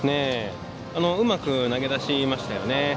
うまく投げ出しましたよね。